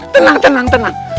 tenang tenang tenang